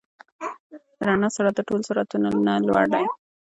د رڼا سرعت د ټولو سرعتونو نه لوړ دی.